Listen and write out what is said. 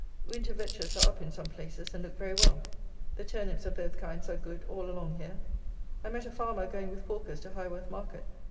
Winter Vetches are up in some places, and look very well. The turnips of both kinds are good all along here. I met a farmer going with porkers to Highworth market.